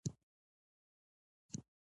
سپین کالي هر څوک نسي ساتلای.